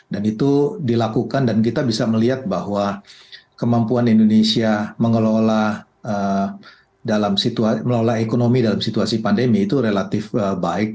dan itu dilakukan dan kita bisa melihat bahwa kemampuan indonesia mengelola ekonomi dalam situasi pandemi itu relatif baik